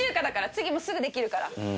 次もすぐできるから。